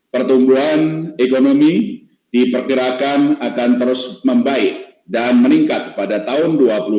pertumbuhan ekonomi diperkirakan akan terus membaik dan meningkat pada tahun dua ribu dua puluh